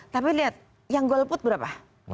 tapi lihat yang gue leput berapa